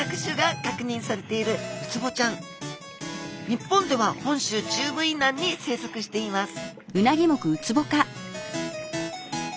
日本では本州中部以南に生息しています